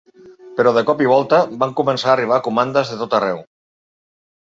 Però de cop i volta van començar a arribar comandes de tot arreu.